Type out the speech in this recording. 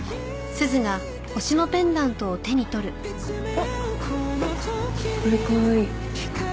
あっこれかわいい。